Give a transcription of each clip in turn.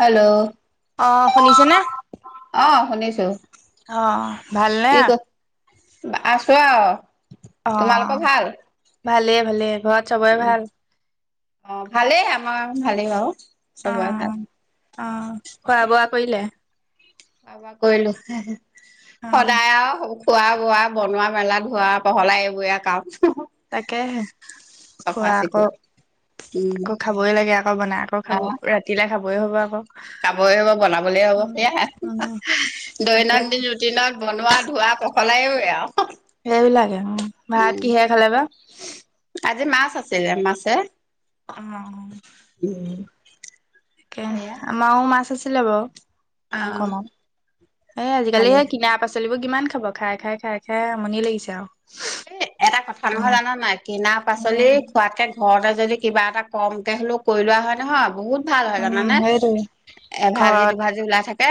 Hello অ', শুনিছেনে? অহ শুনিছো। অ', ভালনে? কি ক আছো আৰু। তোমালোকৰ ভাল। ভালে-ভালে। অ' ভালেই আমাৰ ভালেই বাৰু। চবৰে ভাল অ-অ খোৱা বোৱা কৰিলে? কৰিলো অ', সদায় আৰু হব খোৱা বোৱা বনোৱা মেলা ধোৱা পহলা এইবোৰে কাম। তাকে হে চফা খোৱা আকৌ চিকুণ উম আকৌ খাবই লাগে আকৌ বনাই আকৌ খাব অ ৰাতিলে খাব। ব হ'ব আকৌ। খাবই হব বনাবলে হব উম, সেয়া উম, তাকে দৈনন্দ দিন ৰুটিনত। বনোৱা ধোৱা পখলাএই আৰু সেইবিলাকে ভাত উম কিহে খালে বা। আজি মাছ আছিল যে মাছে। অ উম তাকে সেয়া আমাও মাছ আছিলে বাও অ কমও এ আজিকালি ভালেই সেই কিনা পাচলিবোৰ কিমান খাব খাই খাই খাই খাই আমনি লাগিছে আও এ এটা কথা নহয় জান নাই কিনা পাচলি উম, খোৱাতকে ঘৰতে যদি কিবা এটা কমকে হ'লেও কৰি লোৱা হয় নহয় বহুত ভাল হয় উম, জানানে সেইটোৱে এ ভাজি দু ভাজি ওলাই থাকে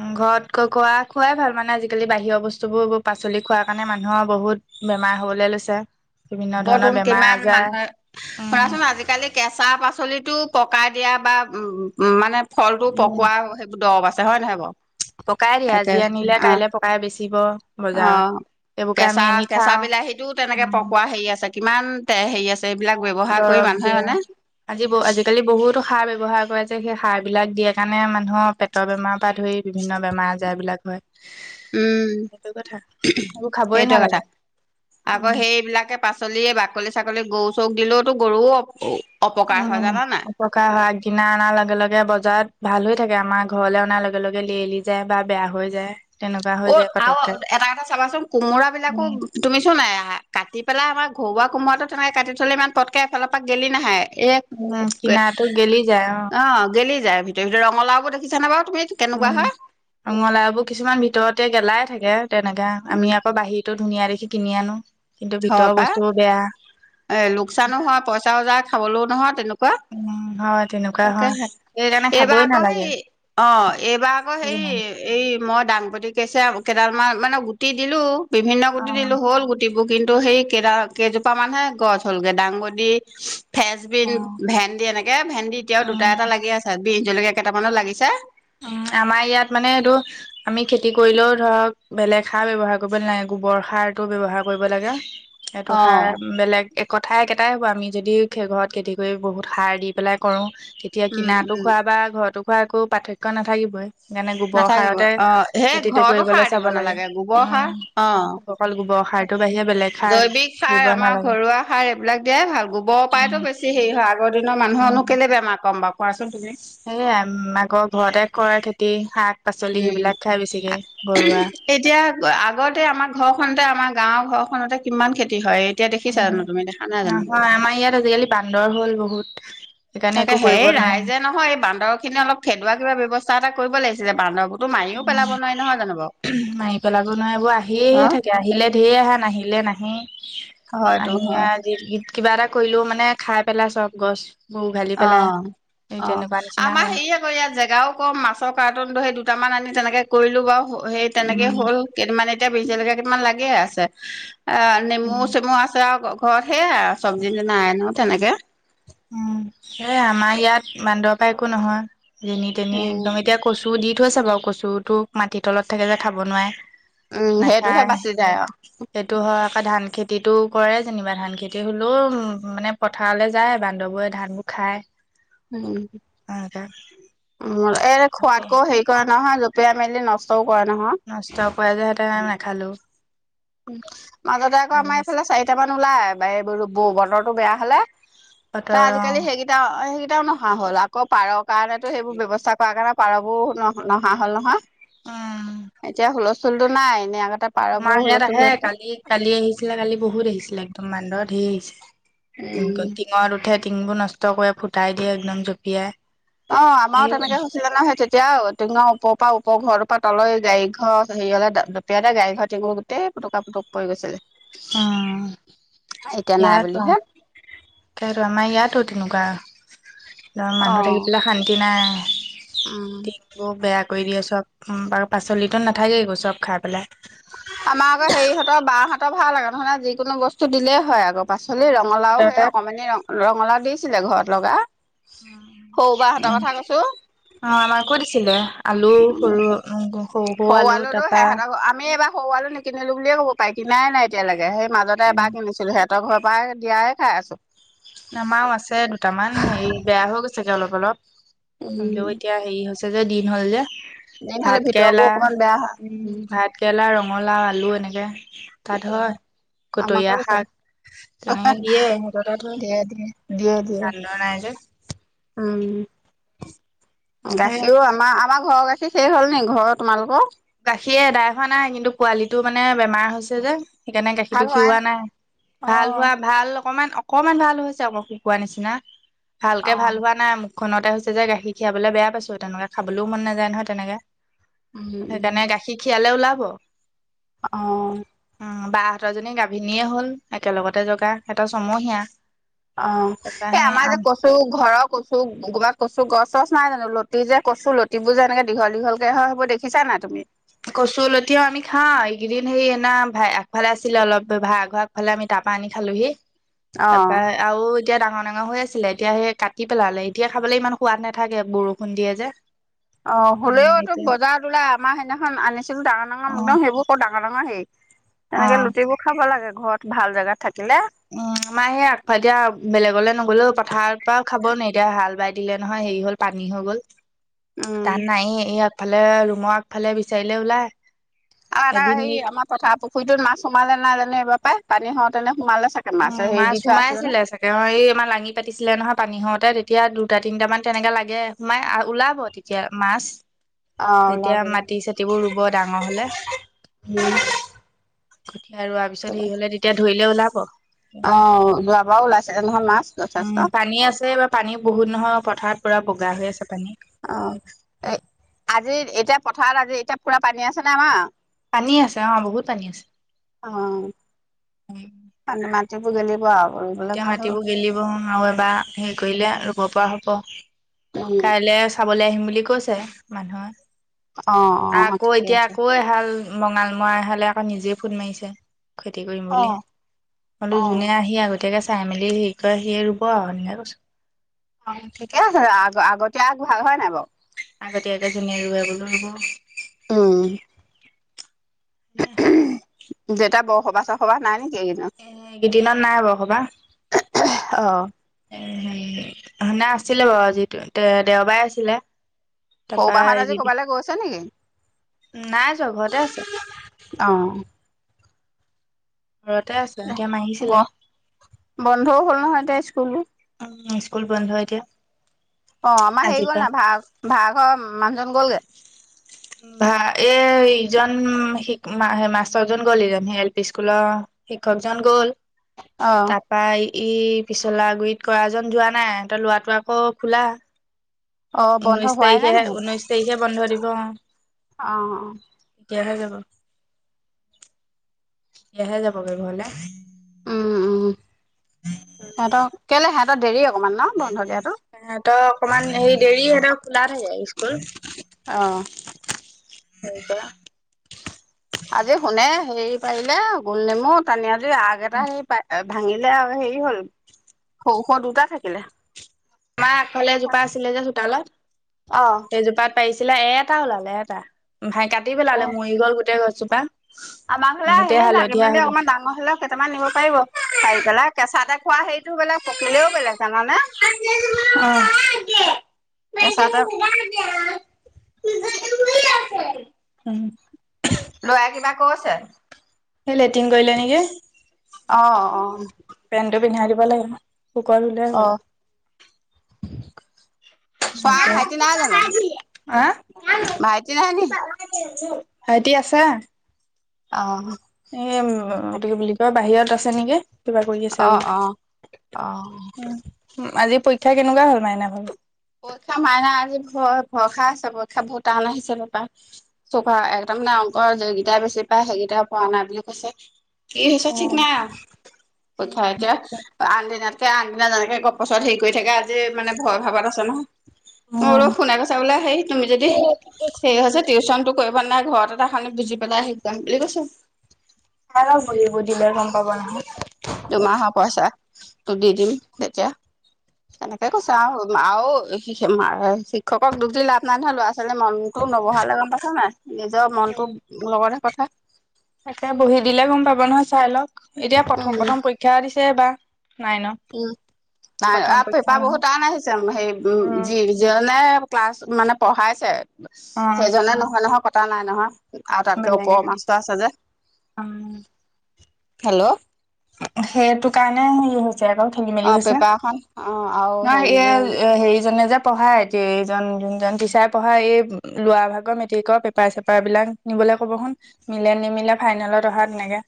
উম ঘৰত কৈ কোৱা খোৱাই ভাল মানে আজিকালি বাহিৰৰ বস্ বস্তুবোৰ পাচলি খোৱা কাৰণে মানুহৰ বহুত বেমাৰ হবলে লৈছে বিভিন্ন ধৰণৰ বতন বেমাৰ কিমান আজাৰ মানুহে উম শুনাচোন আজিকালি কেঁচা পাচলিত টো পকাই দিয়া বা মানে ফলটো উম পকোৱা সেইবোৰ দৰৱ আছে হয় নহয় বাও পকাই দিয়ে আজি আনিলে কাইলে পকাই বেচিব অ বজাৰত সেইবোৰকে আমি কেঁচা আনি কেঁচা খাওঁ বিলাহীটো তেনেকে উম পকোৱা হেৰি আছে কিমান তে হেৰি আছ দৰৱ দিয়া আজি ব আজিকালি বহুত সাৰ ব্যৱহাৰ কৰে যে সেই সাৰবিলাক দিয়ে কাৰণে মানুহৰ পেটৰ বেমাৰৰ পৰা ধৰি বিভিন্ন বেমাৰ আজাৰবিলাক উম এইবোৰ খাবই এইটোৱে কথা নালাগে আকৌ উম সেইবিলাকে পাচলি বাকলি চাকলি গৰু চৰুক দিলেওতো গৰুও অপকাৰ হয় উম জানা নাই অপকাৰ হয় আগদিনা অনাৰ লগে লগে বজাৰত ভাল হৈ থাকে আমাৰ ঘৰলে অনাৰ লগে লগে লেলি যায় বা বেয়া হৈ যায় তেনেকুৱা হৈ অ যায় আৰু পতককে এটা কথা চাবাচোন কোমোৰা বিলাকো উম, তুমি চোন এয়াহ কাটি পেলাই আমাৰ ঘৰুৱা কোমৰাটো তেনেকে কাটি থলে ইমান পতকে এফালৰ পৰা গেলি নাহে এ উম, কে কিনাটো গেলি যায় অ, গেলি যায় ভিতৰি ভিতৰি। ৰঙালাওবোৰ দেখিছা নে বাৰু? তুমি কেনেকুৱা উম, হয় ৰঙালাওবোৰ কিছুমান ভিতৰতে গেলাই থাকে তেনেকে উম আমি আকৌ বাহি ৰটো ধুনীয়া দেখি কিনি আনো। কিন্তু ভিতৰৰ থপাই বস্তুবোৰ বেয়া এ লোকচানো হয়, পইচা যায়, খাবলৈও নহয় তেনেকুৱা কোৱা উম, হয় তেনেকুৱা হয়। তাকেহে, সেইকাৰণে এইবাৰ খাবই আকৌ নালাগে হেই, অ এইবাৰ আকৌ হেৰি, যিমান এই ম মই দাংবদি কেছে কেইডালমান মানে গুটি দিলো, বিভিন্ন গুটি দিলো অ', হ'ল গুটি কিন্তু সেই কেইডা -কেইজোপামানহে গছ হ'লগে দাংবদি ফ্ৰেচ বিন, অ', ভেন্দি এনেকে। ভেন্দি এতিয়াও দুটা উম। -এটা লাগি আছে, বিহ জলকীয়া কেইটামানও লাগিছে। উম আমাৰ ইয়াত মানে এইটো আমি খেতি কৰিলেও ধৰক বেলেগ সাৰ ব্যৱহাৰ কৰিব নালাগে গোবৰ সাৰটো ব্যৱহাৰ কৰিব লাগে, এইটো অ' সাৰ বেলেগ একথাই একেটাই হ'ব আমি যদি ঘৰত খেতি কৰি বহুত সাৰ দি পেলাই কৰো তেতিয়া উম কিনাটো উম খোৱা বা ঘৰতো খোৱা একো পাৰ্থক্য নাথাকিবই। সেইকাৰণে গোবৰ নাথাকিব, সাৰতে অ, সেই খেতিটো ঘৰতো কৰিবলৈ সাৰ দিব চাব লাগে নালাগে গোবৰ সাৰ উম, অ, অকল গোবৰ সাৰটোৰ বাহিৰে বেলেগ সাৰ জৈৱিক দিব সাৰ আমাৰ নালাগে ঘৰুৱা সাৰ এইবিলাক দিয়াই ভাল। গোবৰৰ উম, পাইতো বেছি হেৰি হয় আগৰ দিন নৰ মানুহৰনো উম। কেলে বেমাৰ কম বাৰু কোৱাচোন? তুমি সেয়াই আগৰ ঘৰতে কৰে খেতি, শাক পাচলি উম, সেইবিলাক খাই বেছিকে আ ঘৰুৱা। উঁহুম -এতিয়া আগতে আমাৰ ঘৰখনতে আমাৰ গাঁৱৰ ঘৰখনতে কিমান খেতি তি হয় এতিয়া দেখিছা উম, জানো তুমি, দেখা নাই জানো? নহয় আমাৰ ইয়াত আজিকালি বান্দৰ হ'ল বহুত সেইকাৰণে একো তাকেহে, কৰিব এই নোৱাৰি ৰাইজে নহয় এই বান্দৰখিনি অলপ খেদোৱা কিবা ব্যৱস্থা এটা কৰিব লাগিছিলে। বান্দৰবো মাৰিও পেলাব নোৱাৰ নহয় জানো? মাৰি পেলাব নোৱাৰে, এইবোৰ অ আহিয়ে থাকে। আহিলে ঢেৰ আহে, নাহিলে নাহেই। হয়তো হয় আহি কিবা এটা কৰিলেও মানে খাই পেলাই চব গছ অ অ নিচিনা আমাৰ হয় হেৰি আকৌ ইয়াত জেগাও কম মাছৰ কাৰ্টনটো সেই দু দুটামান আনি তেনেকে কৰিলো বাৰু সেই তেনেকে উম হ'ল কেইদিন মানে এতিয়া বিজ জলকীয়া কেইটামান লাগে আছে অ উম নেমু চেমু আছে আও ঘৰত সেয়া চব্জি যে নাই আনো তেনেকে এয়া আমাৰ ইয়াত বান্দৰপা একো নহয় যেনি তেনি উম একদম এতিয়া কচু দি থৈছে বাও কচুতো মাটিৰ তলত থাকে যে খাব নোৱাই উম সেইটোহে নেখায় বাচি যায় অ সেইটো হয় ধান খেতিতটো কৰে যেনিবা ধান খেতি হলেও মানে পথাৰলৈ যায় বা বান্দৰৱোৰে ধানবোৰ খায় উম, এ এনেকে আকৌ খোৱাতকো হেৰি কৰা নহা ৰূপা মেলিলি নষ্ট নষ্ট কৰা যে সেইটো কাৰণে নাখালো উম, মাজতে আকৌ আমাৰ আছে এইফালে চাৰিটামান ওলাই বা এই বতৰটো বেয়া হলে ত বতৰ অ আজিকালি সেইকেইটা সেইকেইটাও নহা হ'ল আকৌ পাৰক কাৰণেতো সেইবোৰ ব্যৱস্থা কৰা কাৰণে পাৰবোৰ ন নহা হল নহয় উম এতিয়া হুলস্থূল চুলতো নাই এনেই আগতে পাৰ বোৰ হে কালি, কালি আহিছিলে কালি বহুত আহিছিলে একদম মান্দহৰ ঢেৰ আহিছে উম। টিঙত উঠে টিঙবোৰ নষ্ট কৰি ফুটাই দিয়ে একদম জঁপিয়াই অ', আমাৰো সেইবোৰ তেনেকে হৈছিলে নহয় সেই এতিয়া টিঙৰ ওপৰৰ পৰা ওপৰ পৰা তলৈ ঘৰ হেৰি হলে দপিয়াই দ গাড়ীৰ টিঙু গোটেই পুটকা পুটক পৰি গৈছিলে উম, এতিয়া নাই ইয়াৰ বুলিহে কৰ মই ইয়াত টো ধৰ মানুহ থাকি অ', পেলাই শান্তি নাই উম। টিংবোৰ বেয়া কৰি দিয়ে চব পাচলিতো নাথাকে চব খাই পেলাই ত ভাল আৰু নহলে যিকোনো বস্তু দিলেই হয় আকৌ পাচলি ৰঙালাও সিহঁতৰ সে তাত অকমানি ৰঙালাও দিছিলে ঘৰত লগা সৌবাহঁতৰ কথা কৈছো অ', আমাৰ কৈ দিছিল উম, সৰু আলু সৱালতো তাৰপা সেইহতৰ আমি এইবাৰ সৰুৱালো নিকিনিলো বুলিয় কব পাই কিনাই নাই এতিয়াকে সেই মাজতে উম এবাৰ কিনি সেহত তহঁতৰ ঘৰ পৰাই দিয়াই খাই আছো আমাৰও আছে দুটামান হেৰি বেয়া হৈ গৈছেগে অলপ, অলপ নৰিলেও উম এতিয়া হেৰি হৈছে যে দিন হ'ল যে এনেই হ'লে ভাত ভিতৰবোৰ কেৰেলা অকমান বেয়া হয় উম ভাত কেৰেলা ৰ কমলা আলু এনেকৈ তাত হয় আমাকো কটৰীয়া দিছে শাক তেনেকে দিয়ে সিহঁতৰ তাত হয় দিয়, দিয়া, দিয় বান্দৰ নাই যে উ সেয়া গাখীৰও আমাৰ আমাৰ ঘৰৰ গাখীৰ শেষ হ'ল নেকি ঘৰৰ তোমালোকৰ গাখীৰ এদাই হোৱা নাই কিন্তু পোৱালিটো মানে বেমাৰ হৈছে যে তেনেকে ভাল গাখীৰটো হোৱাই খীৰুৱা নাই, ভাল হোৱা অ ভাল অকমান, অকমান ভাল হৈছে আকৌ শুকোৱা নিচিনা অ ভালকে ভাল হোৱা নাই মোক খতে হৈছে যে গাখীৰ খীৰাবলৈ বেয়া পাইছো তেনেকে খাবলৈও মন নাযায় নহয় তেনেকে উম সেইকাৰণে গাখীৰ খীৰালে ওলাব আহ বাহঁতৰ জনী গাভিনীয়ে হল একেলগতে জগা সিহঁতৰ চমুহিয়া অ', এই আমাৰ যে কচু ঘৰৰ কচু কবাত কচু গছ গছ নাই জানো লতি যে কছো লতিবোৰ যে এনেকে দীঘল দীঘলকে হয়েই সেই বোৰ দেখিছা নাই তুমি এই কেইদিন সৰি এনা আগফালে আছিলে অলপ ভৰাঘৰ আগফালে আমি তাৰপৰা আনি খালোহি অ', তাৰাপ আৰু এতিয়া ডাঙৰ, ডাঙৰ হৈ আছিলে এতিয়া সেই কাটি পেলালে এতিয়া খাবলৈ ইমান সোৱাদ নাথাকে বৰষুণ দিয়ে যে অ', হ'লেও উম এই তটো এতিয়া বজাৰত ওলাই আমাৰ সেইদিনাখন আনিছিলো ডাঙৰ, অ ডাঙৰ মদম সেইবোৰ কৌ ডাঙৰ, ডাঙৰ হেৰি অ তেনেকে লৰুটিবোৰ খাব লাগে ঘৰত ভাল জোগাত থাকিলে উম, আমাৰ সেই আগফাল দিয়া বেলেগলে নগলেও পথাৰৰ পৰাও খাব নি এতিয়া হাল বাই দিলে নহয় হেৰি হ'ল পানী হৈ গ'ল উম, তান নাই এই আগফালে ৰুমৰ আগফালে বিচাৰিলে ওলায় আৰু এটা হেৰি আমাৰ পথাৰ পুখুৰীতটোত মাছ সোমালে নাই জানো এইবাৰ পাই পানী হত উম, মাছ সোমাই আছিলে চাগে অ এই আমাৰ লাঙি পাতিছিলে নহয় পানী হওঁতে এতিয়া দুটা তিনিটামান তেনেকে লাগে সোমাই আৰু ওলাব তেতিয়া মাছ। অ', যেতিয়া ওলাব মাটি চাটিবোৰ ৰুব ডাঙৰ হ'লে। উম, কঠিয়া ৰুৱাৰ পিছত হেৰি হ'লে তেতিয়া ধৰিলে ওলাব। অ যোৱাবাও ওলাইছে নহয় মাছ। যথেষ্ট। উম পানী আছে বা পানী বহুত নহয় পথাৰত পুৰা বগা হৈ আছে। পানী। অ এ আজি এতিয়া পথাৰত আজি এতিয়া পুৰা পানী আছে নে আমা। পানী আছে অ বহুত পানী আছে। অ', চি গেলিব আও। এতিয়া মাটিবোৰ গেলিব আৰু এবাৰ হেৰি কৰিলে ৰুব পৰা হ'ব। উম, কাইলে চাবলে আহিম বুলি কৈছে মানুহে। অ', অ', আকৌ ঠিকে এতিয়া আছে। আকৌ এহাল মঙালমৰা এহালে আকৌ নিজে ফোন মাৰিছে। খেতি কৰিম বুলিয় অ', হলো অ', যোনে আহি আগতে। তেতিাকে চাই মেলি সে কয় সি ৰুব আৰু সনেক কৈছোন। অ ঠিকে আছে আগ আগত ভাল হয় নাই বাৰু। আগত আগে ধুনে ৰৰুৱাবলৈ হব। উম। নয়া। যেতিয়া বৰসবা চসবা নাই ন। এ এইকেইদিনত নাই বসবা অ', এ নে আছিলে বাৰু যিটো দে দেওবাৰে আছিলে। সৰু তাৰপা বাহঁত এই আজি কিবি ক'ৰবালৈ গৈছে নেকি? নাই যোৱা ঘৰতে আছে। অঁ। ঘৰতে আছে এতিয়া মাৰিছিলে গ- বন্ধও হ'ল নহয় এতিয়া স্কুলবোৰ। উ। স্কুল বন্ধ হয় এতিয়া। অ আমাৰ হেৰি আজিৰ গ'ল পৰা না ভা ভাৰাঘৰ মানুহজন গ'লগে। ভা এ ইজন মাষ্টৰজন গ'ল যাম স এল পি স্কুলৰ। শিক্ষকজন গ'ল অ', তাৰপই। ই পিছলা গুৰিত কৰা এ যোৱা নাই সিহতৰ লৰাটো আকৌ খোলা। অ বন্ধ ঊনৈশ হোৱাই নাই নে তাৰিখেহে ঊনৈশ সিত। তাৰিখে বন্ধ দিব অ আহ। তেতিয়াহে যাব তেতিয়াহে যাব পাৰিব হলে। উম উম সিহতক কেলে সিহতৰ দেৰি। অকমান ন বন্ধ দিয়াতো সহতৰ অকনমান হেৰি দেৰি সহতৰ খোলা থাকে স্কুল। আহ [unintelligible] আজি শুনে হেৰি পাৰিলে গোল নেমু তানি আজোই আগ এটা হে পাই ভাঙিলে আৰু হেৰি হল সৰুশ দুটা থাকিলে আমাৰ আগফালে এজোপা আছিলে যে চোতালত অ' সেইজোপাত পাইছিল চিলাই এটা ওলালে এটা ভ কাটি পেলালে মৰি গ'ল গোটেই গছজোপা আমাক হলে গোটেই আহিলে লাগি হালধীয়া মেলি হৈ গ'ল। অকমান ডাঙৰ হলেও কেইটামান নিব পাৰিব পাৰি পেলাই কেঁচা টে বিলাক পকিলেও বেলেগ জানানে কেচা তে আ [unintelligible] কৈছে স লেট্ৰিন কৰিলে নেকি অ' অ' পেণ্টটো পিন্ধাই দিব লাগিব অ' [unintelligible] চোৱা ভাইটি নাই জানো আ ভাইতি নাই নি ভাইটি আছে অ এ উ কি বুলি কয় বাহিৰত আছে নেকি কিবা কৰি আছা অ' অ' অ' বুলি আজি পৰীক্ষা কেনেকুৱা হল মাইনা ভা পৰীক্ষা মাইনা আজি ভ ভৰসা আছে পৰীক্ষা বহুত টান আহিছে বাপা চৌকা এক তাৰে অংকৰ যিকেইটাই বেছি পায় সেইকেইটাাইও পোৱা নাই বুলি কৈছে কি হৈছে ঠিক নাই আৰু পৰীক্ষা এতিয়া আন দিন তেয়া আনদিনা যেনেকে গপছত হেৰি কৰি থাকে আজি মান ভয় ভাৱত আছে নহয় মোৰ শুনা কৈছা বোলে আহেই তুমি যদি হেৰি চাই হৈছে টিউশচনটো ক নাই ঘৰত এটা খি বুজি পেলাই শিক যাম বুলি কৈছে দিলে গম পাব নহয় দুমাহৰ পইচা তোৰ দি দিম তেতিয়া তেনেকে কৈছে আৰু আৰু শিক্ষকক দুখ দি লাভ নাই নহয় ল'ৰা ছোৱালী মনটো নবহালে গম পাইছ নাই নিজৰ মনটো লগতহে কথা তাকে বহি দিলে গম পাব নহয় চাই লওক এতিয়া উম প্ৰথম প্ৰথম পৰীক্ষা দিছে বাাৰ উম পৰীক্ষা পেপা বহুত নহয়। টন আহিছে সেই উম য জ নে ক্লাছ মানে পঢ়াইছে অ', সেইজনে নহয় নহয় কটা নাই নহয় আৰু তাতকে বেলেগে ওপৰৰ কাটিছে। মাষ্টাৰ আছে যে অ', হেল্ল' সেইটো কাৰণে হেৰি হৈছে আকৌ ঠেলি অ মেলি হৈছে পেপাৰখন অ আৰু ন হেৰিবোৰ এই হেৰিজনে যে পঢ়ায় এতিয়া এই যোনজন টিচাৰ পঢ়াই এই লৰা ভাগৰ মেট্ৰিকৰ পেপাৰ চেপাৰ বিলাক নিব [unintelligible] মিলে নিমিলে ফাইনেলত অহা তেনেকে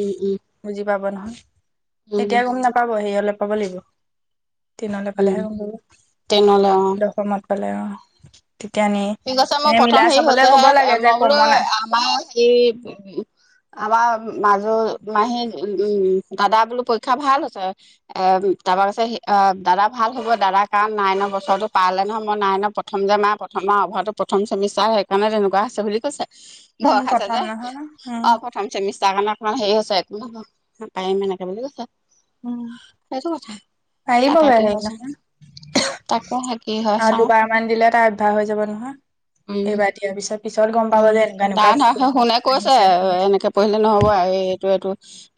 এ উম বুজি পাব নহয় উম এতিয়া গম নাপাব সে হলে পাব লাগিব টেনলৈ উম পালেহে গম পাব ট্ৰেইনলে অ দশমত পালে অ তেতিয়া নি ঠিক আছে মোৰ এনে প্ৰথম মিলাই হেৰি চাবলে ক'ব হৈছেহে লাগে যে মই বোলো কমন আ আমাৰ হে উ আমাৰ মাজৰ মাহী উম দাদা বোলো পৰীক্ষা ভাল হৈছে এ তাৰপা কছে দাদা ভাল হ'ব দাদা কাৰণ নাইনৰ বছৰটো পাৰালে নহয় মই নাইনৰ প্ৰথম যে মাৰ আমাৰ অভাৰটো প্ৰথ চেমিষ্টাৰ সেইকাৰণে তেনেকুৱা আছে বুলি কৈছে উম ভয় খাইছে প্ৰথম যে নহয় উম অ প্ৰথম চেমিষ্টাৰ অ সেৰা হৈছে একো ন পাৰিম এনেকে বুলি কৈছে উম সেইটো কথা পাৰি ব তাকে কি গৈ হৈছে তাকে কি হয় আৰু চাওঁ দুবাৰ মান দিলে তাৰ অভ্যাস হৈ যাব নহয় এইবাৰ দিয়াৰ পিছত পিছত গম উ পাব যে এনেকুৱা তাৰ এনেকুৱা ধৰ শোনে কৈছে আহিছে এনেকে পঢ়িলে নহব আৰু এই এইটো এইটো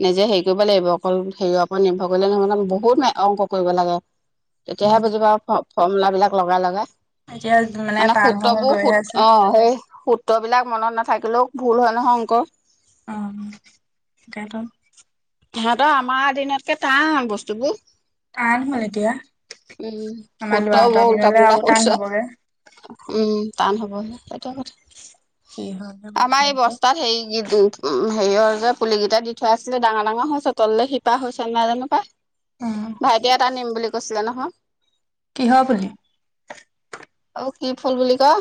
নিজে হেৰি কৰিব লাগিব অকল হেৰিয়ৰ ওপৰত নিৰ্ভৰ কৰিলে ন বহুত অংক কৰিব লাগে তেতিয়াহে উম বুজি পা ফৰ্মূলাবিলাক লগাই লগাই এতিয়া মানে টান হৈ হৈ সূত্ৰবোৰ গৈহে সোত আছে অ সেই সোত মনত নাথাকিলেও ভুল হয় নহয় অংকৰ অ কাৰণ সিহঁতৰ আমাৰ দিনতকে টান বস্তুবোৰ টান হ'ল এতিয়া উম আমাৰ সত লৰাহঁতৰ বৰ উলোটা দিনলে পোলোটা আৰু টান হ'বগে সুধছ উম টান হবহ সেইটো কি হয় গে কথা মনে আমাৰ এই লাগিব বস্তাত হেৰি কি উম হেৰিয়ৰ যে পুলুলি কেইটা দি থৈ আছিলে ডাঙৰ ডাঙৰ হৈছে তললে শিপা হৈছে নাই জানো পাই উম ভাইটি এটা নিম বুলি কৈছিলে নহয় কিহ পুলি অ কি ফুল বুলি কয়